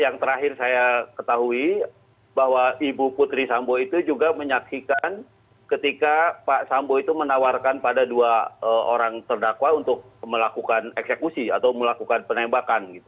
yang terakhir saya ketahui bahwa ibu putri sambo itu juga menyaksikan ketika pak sambo itu menawarkan pada dua orang terdakwa untuk melakukan eksekusi atau melakukan penembakan